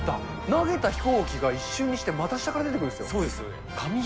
投げた飛行機が一瞬にして股下から出てくるんですよ。